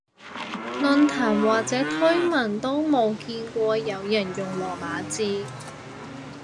論壇或者推文都冇見過有人用羅馬字